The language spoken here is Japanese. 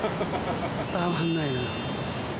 たまんないのよ。